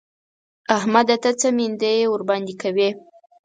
احمده! ته څه مينده يي ورباندې کوې؟!